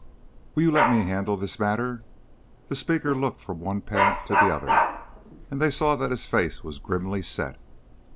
Will you let me handle this matter?" The speaker looked from one parent to the other, and they saw that his face was grimly set.